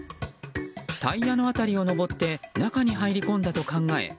タイヤの辺りを登って中に入り込んだと考え